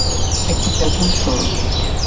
একটু পেছনে সরো।